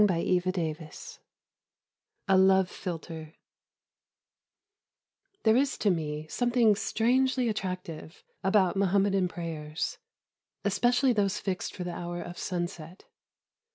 XXVI A LOVE PHILTRE There is, to me, something strangely attractive about Muhammadan prayers, especially those fixed for the hour of sunset.